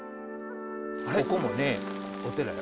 ここもねお寺や。